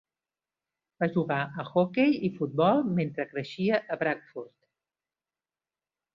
Va jugar a hoquei i futbol mentre creixia a Brantford.